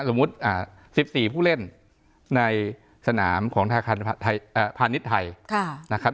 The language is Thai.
๑๔ผู้เล่นในสนามของธนาคารพาณิชย์ไทยนะครับ